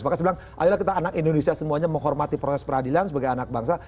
maka saya bilang ayolah kita anak indonesia semuanya menghormati proses peradilan sebagai anak bangsa